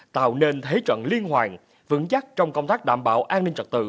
tạo nên thế trận liên hoàn vững chắc trong công tác đảm bảo an ninh trật tự